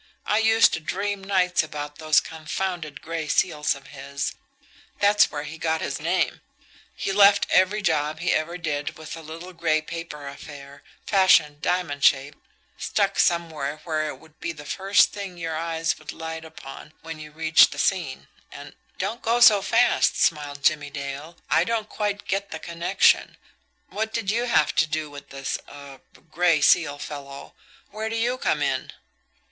I used to dream nights about those confounded gray seals of his that's where he got his name; he left every job he ever did with a little gray paper affair, fashioned diamond shaped, stuck somewhere where it would be the first thing your eyes would light upon when you reached the scene, and " "Don't go so fast," smiled Jimmie Dale. "I don't quite get the connection. What did you have to do with this er Gray Seal fellow? Where do you come in?"